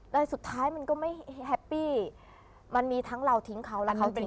สุดท้ายมันก็ไม่แฮปปี้มันมีทั้งเราทิ้งเขาและเขาจริง